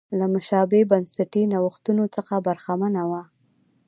له مشابه بنسټي نوښتونو څخه برخمنه وه.